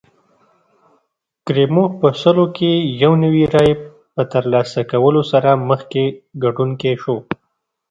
کریموف په سلو کې یو نوي رایې په ترلاسه کولو سره مخکښ ګټونکی شو.